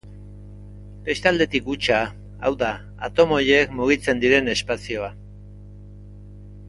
Beste aldetik hutsa, hau da, atomo horiek mugitzen diren espazioa.